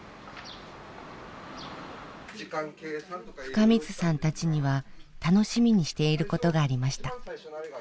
深水さんたちには楽しみにしていることがありました。